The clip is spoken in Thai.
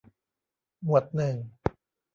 หมวดหนึ่ง